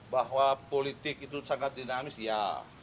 bahwa politik itu sangat dinamis ya